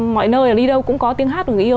mọi nơi là đi đâu cũng có tiếng hát của người yêu